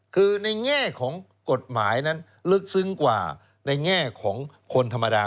คือในแง่ของกฎหมายนั้นลึกซึ้งกว่าในแง่ของคนธรรมดา